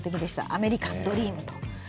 アメリカンドリームと。